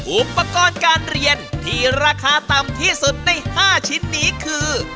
อุปกรณ์การเรียนที่ราคาต่ำที่สุดใน๕ชิ้นนี้คือ